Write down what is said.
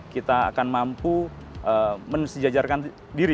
kita akan mampu mensejajarkan diri